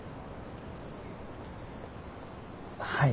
はい。